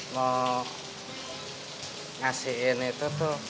mau ngasihin itu tuh